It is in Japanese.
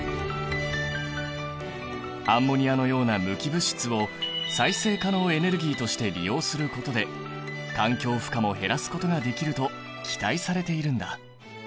アンモニアのような無機物質を再生可能エネルギーとして利用することで環境負荷も減らすことができると期待されているんだ。